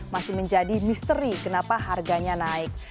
masih menjadi misteri kenapa harganya naik